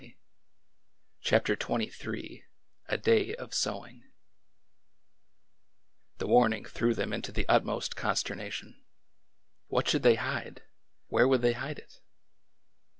'* CHAPTER XXIII A DAY OF SOWING T he warning threw them into the utmost consterna tion. What should they hide? Where would they hide it?